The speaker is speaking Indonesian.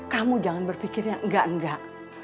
kamu jangan berpikir yang enggak enggak